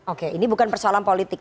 oke ini bukan persoalan politik